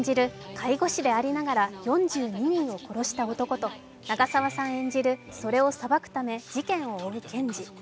介護士でありながら４２人を殺した男と長澤さん演じる、それを裁くため事件を追う検事。